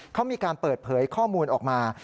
เขามีการเปิดเผยข้อมูลออกมา